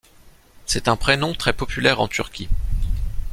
C'est un prénom très populaire en Turquie.